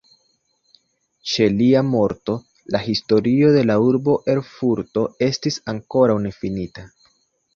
Ĉe lia morto la "Historio de la urbo Erfurto" estis ankoraŭ nefinita.